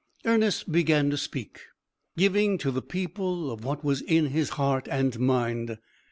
Ernest began to speak, giving to the people of what was in his heart and mind.